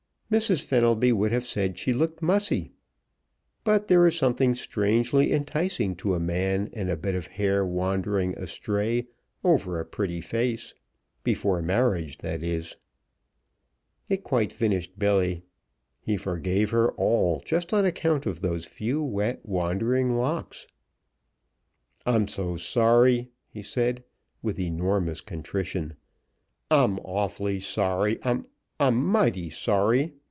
Mrs. Fenelby would have said she looked mussy, but there is something strangely enticing to a man in a bit of hair wandering astray over a pretty face. Before marriage, that is. It quite finished Billy. He forgave her all just on account of those few wet, wandering locks. "I'm so sorry!" he said, with enormous contrition. "I'm awfully sorry. I'm I'm mighty sorry.